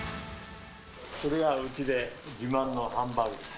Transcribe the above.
これがうちで自慢のハンバーグです。